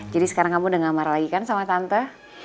jadi sekarang kamu udah gak marah lagi kan sama tante